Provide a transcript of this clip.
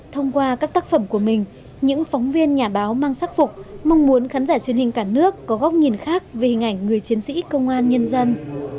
thông qua các tác phẩm của mình những phóng viên nhà báo mang sắc phục mong muốn khán giả truyền hình cả nước có góc nhìn khác về hình ảnh người chiến sĩ công an nhân dân